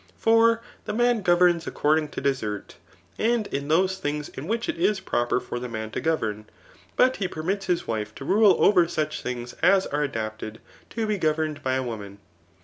For the man governs according to desert, and in those things in which it is proper for the man to govern ; but he permits his wife to rule over such things as are adapted to be governed by a woman.